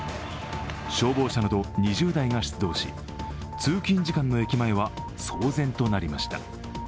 消防車など２０台が出動し通勤時間の駅前は騒然となりました。